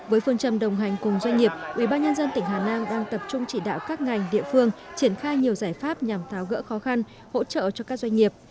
với phương trầm đồng hành cùng doanh nghiệp ubnd tỉnh hà nam đang tập trung chỉ đạo các ngành địa phương triển khai nhiều giải pháp nhằm tháo gỡ khó khăn hỗ trợ cho các doanh nghiệp